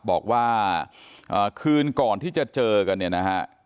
บอกว่าคืนก่อนที่จะเจอกันเนี่ยนะฮะ